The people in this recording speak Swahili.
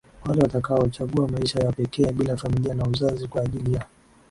wale watakaochagua maisha ya pekee bila familia na uzazi kwa ajili ya